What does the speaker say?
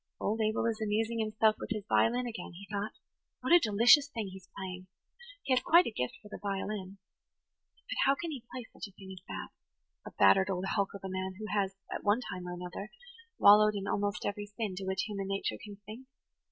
"Old Abel is amusing himself with his violin again," he thought. "What a delicious thing he is playing! He has quite a gift for the violin. But how can he play such a thing as that,–a battered old hulk of a man who has, at one time or another, wallowed in almost every sin to which human nature can sink?